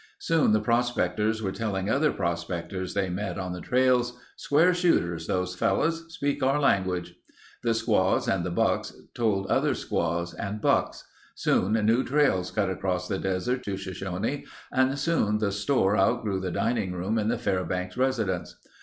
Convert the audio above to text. Soon the prospectors were telling other prospectors they met on the trails: "Square shooters—those fellows. Speak our language...." The squaws and the bucks told other squaws and bucks. Soon new trails cut across the desert to Shoshone and soon the store outgrew the dining room in the Fairbanks residence.